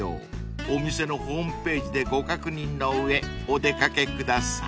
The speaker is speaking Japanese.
［お店のホームページでご確認の上お出掛けください］